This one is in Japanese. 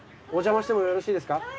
おじゃましてもよろしいですか？